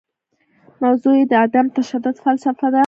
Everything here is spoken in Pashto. موضوع یې د عدم تشدد فلسفه ده.